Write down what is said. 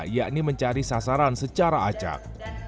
yakni mencari sasaran secara acak